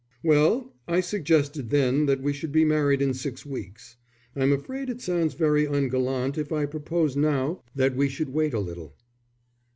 "Well, I suggested then that we should be married in six weeks. I'm afraid it sounds very ungallant if I propose now that we should wait a little."